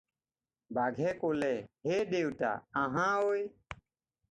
"বাঘে ক'লে- "হে দেউতা আহাঁ ঐ।"